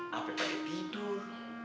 sampai pagi tidur